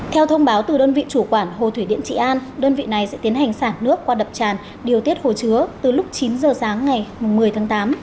theo thông báo từ đơn vị chủ quản hồ thủy điện trị an đơn vị này sẽ tiến hành xả nước qua đập tràn điều tiết hồ chứa từ lúc chín giờ sáng ngày một mươi tháng tám